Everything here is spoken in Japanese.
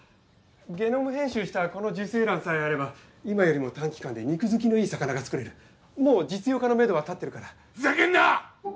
ゲノム編集したこの受精卵さえあれば今よりも短期間で肉付きのいい魚がつくれるもう実用化のめどは立ってるからふざけんな！